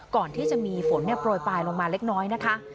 ก่อนที่จะมีฝนโปรยปลายลงมาเล็กน้อยนะคะ